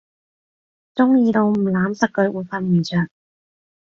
中意到唔攬實佢會瞓唔著